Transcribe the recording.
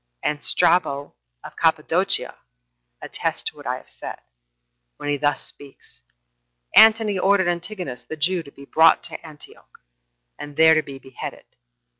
And Strabo of Cappadocia attests to what I have said, when he thus speaks: "Antony ordered Antigonus the Jew to be brought to Antioch, and there to be beheaded.